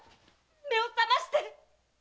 目を覚まして！